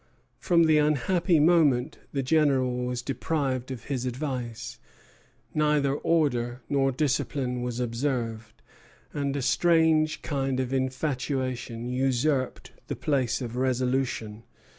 From the unhappy moment the General was deprived of his advice, neither order nor discipline was observed, and a strange kind of infatuation usurped the place of resolution."